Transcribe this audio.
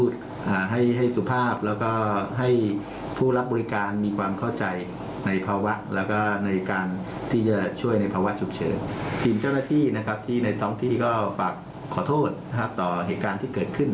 ต่อเหตุการณ์ที่เกิดขึ้นนะครับ